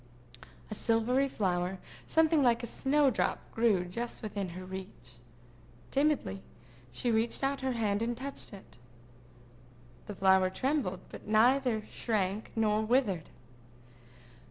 A silvery flower, something like a snow drop, grew just within her reach. Timidly she stretched out her hand and touched it. The flower trembled, but neither shrank nor withered.